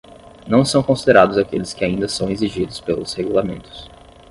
Não são considerados aqueles que ainda são exigidos pelos regulamentos.